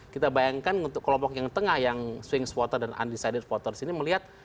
kita bayangkan untuk kelompok yang tengah yang swing spotter dan undecided voters ini melihat